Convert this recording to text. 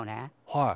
はい。